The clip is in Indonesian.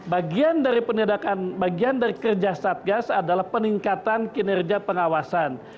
bagian dari penindakan bagian dari kerja satgas adalah peningkatan kinerja pengawasan